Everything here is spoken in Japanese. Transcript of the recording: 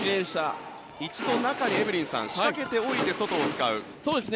一度中で、エブリンさん仕掛けておいて外を使う。